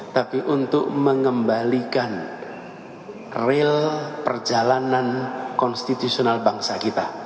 tapi untuk mengembalikan real perjalanan konstitusional bangsa kita